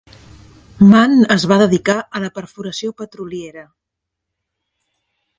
Mann es va dedicar a la perforació petroliera.